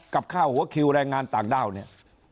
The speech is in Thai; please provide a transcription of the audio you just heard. กับข้าวหัวคิวแรงงานต่างด้าวเนี่ย